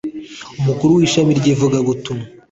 umukuru w ishami ry ivugabutumwa